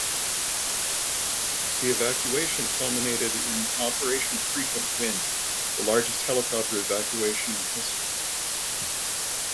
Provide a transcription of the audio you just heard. The evacuation culminated in Operation Frequent Wind, the largest helicopter evacuation in history.